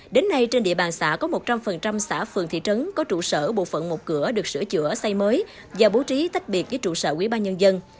đến nay trên địa bàn xã có một trăm linh xã phường thị trấn có trụ sở bộ phận một cửa được sửa chữa xây mới và bố trí tách biệt với trụ sở quỹ ban nhân dân